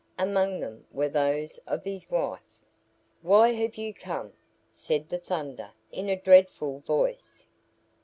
Among them were those of his wife. "Why have you come?" said the Thunder in a dreadful voice.